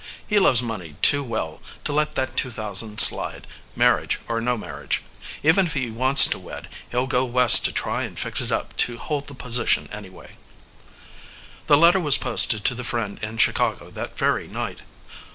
"He loves money too well to let that two thousand slide marriage or no marriage. Even if he wants to wed, he'll go West to try and fix it up to hold the position anyway." The letter was posted to the friend in Chicago that very night.